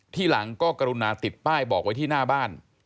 ที่หลังก็กรุณาติดป้ายบอกไว้ที่หน้าบ้าน